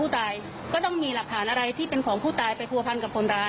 ถ้าเป็นความรู้สึกของแม่ค่อยตอบก็ได้